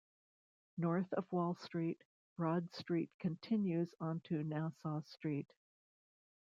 North of Wall Street, Broad Street continues onto Nassau Street.